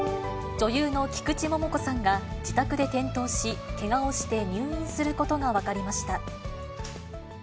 女優の菊池桃子さんが、自宅で転倒し、けがをして入院することが分かりました。